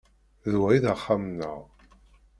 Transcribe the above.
D wa i d axxam-nneɣ.